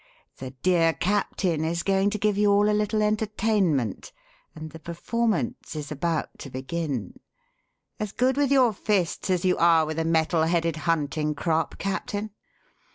The dear captain is going to give you all a little entertainment and the performance is about to begin. As good with your fists as you are with a metal headed hunting crop, Captain?"